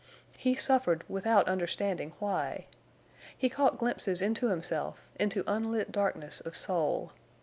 He suffered without understanding why. He caught glimpses into himself, into unlit darkness of soul.